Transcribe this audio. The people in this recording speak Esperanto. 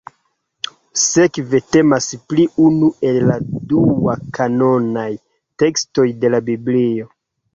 Sekve temas pri unu el la dua-kanonaj tekstoj de la Biblio.